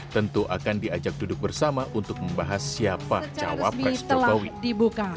tentu akan diajak duduk bersama untuk membahas siapa cawapres jokowi